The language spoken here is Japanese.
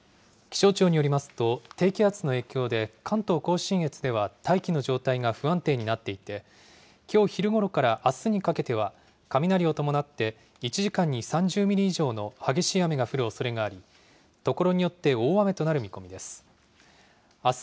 気象庁によりますと、低気圧の影響で関東甲信越では大気の状態が不安定になっていて、きょう昼ごろからあすにかけては、雷を伴って１時間に３０ミリ以上の激しい雨が降るおそれがあり、所によって大雨となる見込みです。